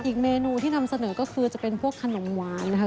อีกเมนูที่นำเสนอก็คือจะเป็นพวกขนมหวานนะครับ